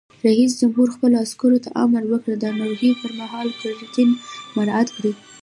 رئیس جمهور خپلو عسکرو ته امر وکړ؛ د ناروغۍ پر مهال قرنطین مراعات کړئ!